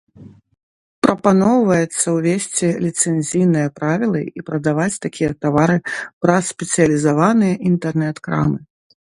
Прапаноўваецца ўвесці ліцэнзійныя правілы і прадаваць такія тавары праз спецыялізаваныя інтэрнэт-крамы.